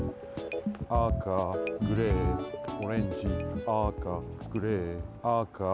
あかグレーオレンジあかグレーあかあか。